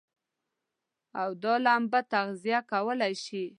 او دا لمبه تغذيه کولای شي.